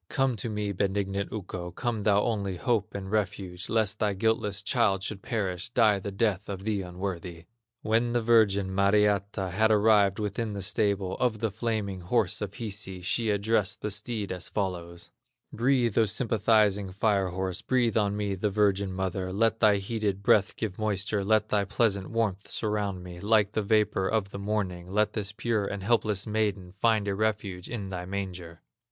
Come to me, benignant Ukko, Come, thou only hope and refuge, Lest thy guiltless child should perish, Die the death of the unworthy!" When the virgin, Mariatta, Had arrived within the stable Of the flaming horse of Hisi, She addressed the steed as follows: "Breathe, O sympathizing fire horse, Breathe on me, the virgin mother, Let thy heated breath give moisture, Let thy pleasant warmth surround me, Like the vapor of the morning; Let this pure and helpless maiden Find a refuge in thy manger!"